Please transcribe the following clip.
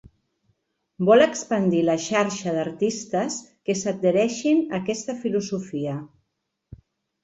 Vol expandir la xarxa d'artistes que s'adhereixen a aquesta filosofia.